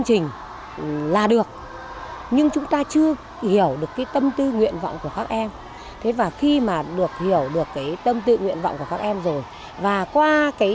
khi mà được nắm bắt được tâm tư nguyện vọng của các em học sinh cũng như là thông điệp yêu thương an toàn